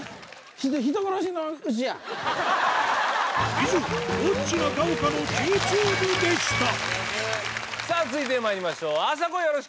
以上ロッチ中岡の「ＱＴｕｂｅ」でしたさぁ続いてまいりましょうあさこよろしく！